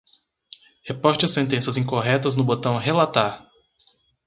Reporte as sentenças incorretas no botão "relatar"